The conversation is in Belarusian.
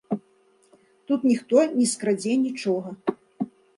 Тут ніхто не скрадзе нічога.